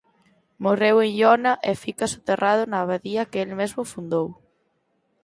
Morreu en Iona e fica soterrado na abadía que el mesmo fundou.